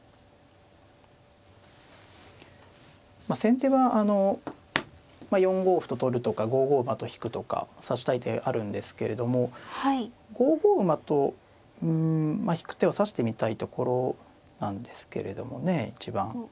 まあ先手は４五歩と取るとか５五馬と引くとか指したい手あるんですけれども５五馬とうんまあ引く手を指してみたいところなんですけれどもね一番。